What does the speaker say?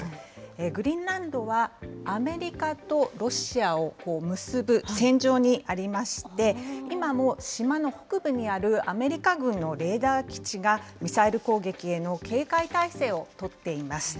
グリーンランドはアメリカとロシアを結ぶ線上にありまして、今も島の北部にあるアメリカ軍のレーダー基地が、ミサイル攻撃への警戒態勢を取っています。